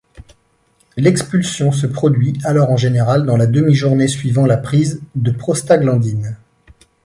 L'expulsion se produit alors en général dans la demi-journée suivant la prise de prostaglandine.